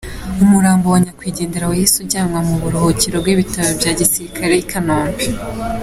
Umurambo wa nyakwigendera wahise ujyanwa mu buruhukiro bw’Ibitaro bya Gisirikare i Kanombe.